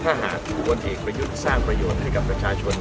ถ้าหากคนเองซ่างประโยชน์ให้กับประชาชน